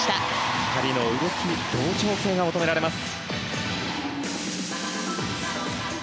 ２人の動き、同調性が求められます。